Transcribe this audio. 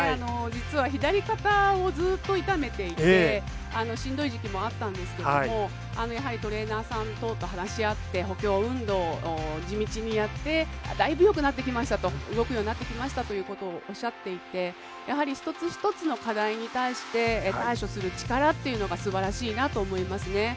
実は左肩をずっと痛めていてしんどい時期もあったんですけどやはりトレーナーさん等と話し合って補強運動を地道にやってだいぶ、よくなってきましたと動くようになってきましたということをおっしゃっていてやはり一つ一つの課題に対して対処する力っていうのがすばらしいなと思いますね。